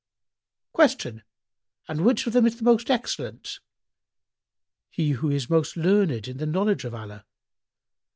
Q "And which of them is the most excellent?"— "He who is most learned in the knowledge of Allah."